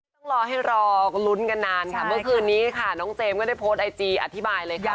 ต้องรอให้รอลุ้นกันนานค่ะเมื่อคืนนี้ค่ะน้องเจมส์ก็ได้โพสต์ไอจีอธิบายเลยค่ะ